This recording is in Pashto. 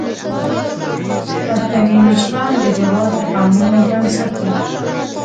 پښتني مشران د هیواد د قومونو بنسټ دي.